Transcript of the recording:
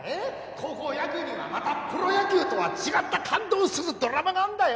高校野球にはまたプロ野球とは違った感動するドラマがあるんだよ！